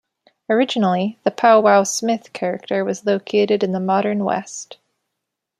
Originally, the Pow Wow Smith character was located in the modern West.